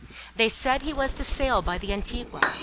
They said he was to sail by the Antigua.